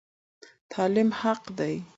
تعلیم حق دی.